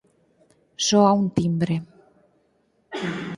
Soa un timbre.